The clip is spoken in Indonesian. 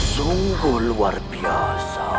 sungguh luar biasa